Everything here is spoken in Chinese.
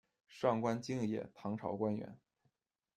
上官经野，唐朝官员。